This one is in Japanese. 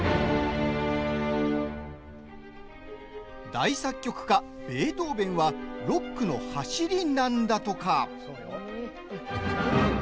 大作曲家ベートーベンはロックのはしりなんだとか。